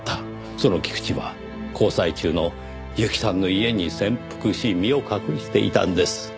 その菊池は交際中の由季さんの家に潜伏し身を隠していたんです。